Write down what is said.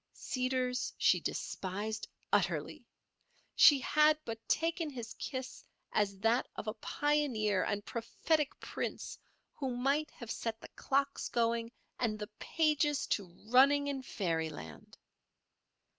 Seeders she despised utterly; she had but taken his kiss as that of a pioneer and prophetic prince who might have set the clocks going and the pages to running in fairyland.